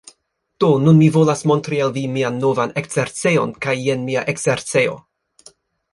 Do, nun mi volas montri al vi mian novan ekzercejon kaj jen mia ekzercejo...